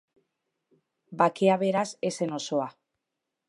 Bakea beraz ez zen osoa.